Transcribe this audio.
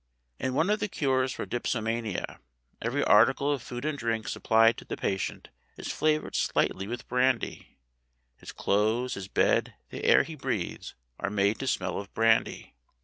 In one of the cures for dipsomania every article of food and drink supplied to the patient is flavored slightly with brandy; his clothes, his bed, the air he breathes, are made to smell of brandy.